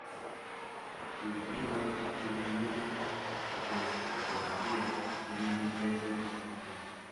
Sus libros incluyen miles de sus fotografías y tenían un precio en consecuencia.